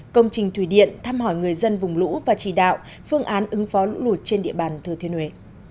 công trình thủy điện thăm hỏi người dân vùng lũ và chỉ đạo phương án ứng phó lũ lụt trên địa bàn thừa thiên huế